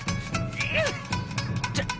うちょっ。